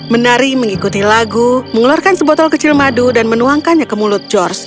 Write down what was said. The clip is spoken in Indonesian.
menari mengikuti lagu mengeluarkan sebotol kecil madu dan menuangkannya ke mulut george